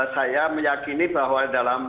saya meyakini bahwa dalam